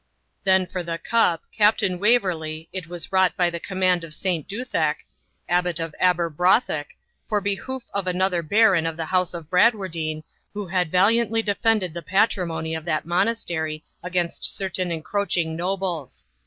Then for the cup, Captain Waverley, it was wrought by the command of Saint Duthac, Abbot of Aberbrothock, for behoof of another baron of the house of Bradwardine, who had valiantly defended the patrimony of that monastery against certain encroaching nobles.